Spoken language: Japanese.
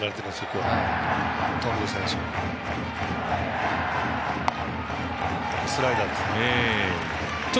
今のもスライダーですね。